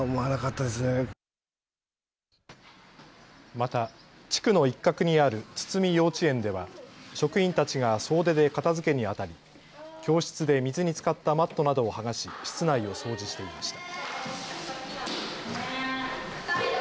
また地区の一角にあるつつみ幼稚園では職員たちが総出で片づけに当たり教室で水につかったマットなどをはがし室内を掃除していました。